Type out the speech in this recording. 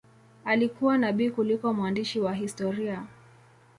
Alikuwa nabii kuliko mwandishi wa historia.